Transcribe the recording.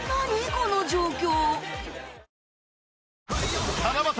この状況